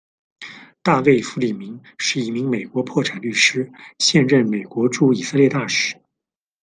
大卫·佛利民是一名美国破产律师、现任美国驻以色列大使。